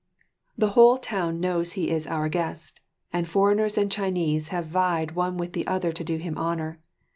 The whole town knows he is our guest, and foreigners and Chinese have vied one with the other to do him honour.